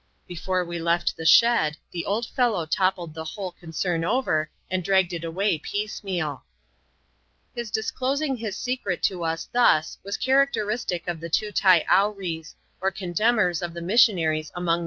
Before we left the shed, the old fellow toppled the whole concern over, and dragged it away piecemeaL His disclosing his secret to us thus was characteristic of thei " Tootai Owrees," or contemners of the mia6ionfixl&% %sa«OTk!